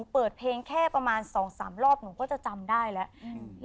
เปิดเพลงแค่ประมาณ๒๓รอบหนูก็จะจำได้แล้ว